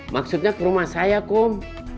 maksudnya ke rumah saya kom